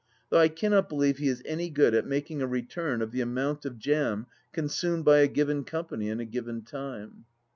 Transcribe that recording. Though I cannot believe he is any good at making a return of the amount of jam consumed by a given company in a given time.